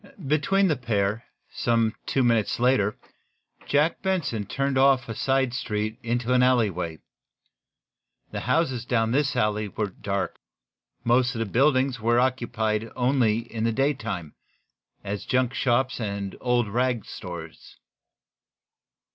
Between the pair, some two minutes later, Jack Benson turned off a side street into an alleyway. The houses down in this alley were dark. Most of the little buildings here were occupied only in the daytime, as junk shops and old rag stores.